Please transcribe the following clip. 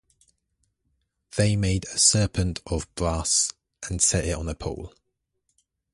They made a serpent of brass and set it on a pole.